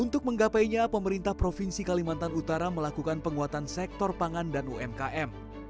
untuk menggapainya pemerintah provinsi kalimantan utara melakukan penguatan sektor pangan dan umkm